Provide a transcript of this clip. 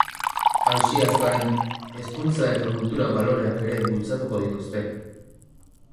Aisiaz gain, hezkuntza eta kultura baloreak ere bultzatuko dituzte.